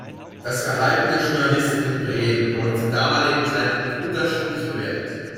Das Verhalten der Journalisten in Bremen wurde zum damaligen Zeitpunkt unterschiedlich bewertet.